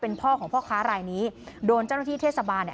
พ่อของพ่อค้ารายนี้โดนเจ้าหน้าที่เทศบาลเนี่ย